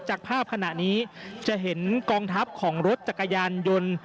จากภาพขณะนี้จะเห็นกองทัพของรถจักรยานยนต์